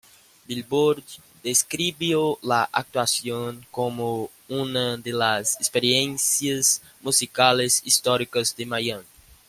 Billboard describió la actuación como una de las experiencias musicales históricas de Miami.